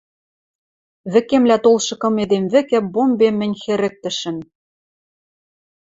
Вӹкемлӓ толшы кым эдем вӹкӹ бомбем мӹнь хӹрыктышым.